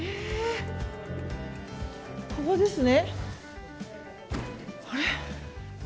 ここですね。